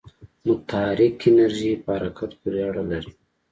متحرک انرژی په حرکت پورې اړه لري.